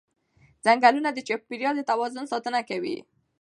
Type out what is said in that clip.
ځنګلونه د چاپېریال د توازن ساتنه کوي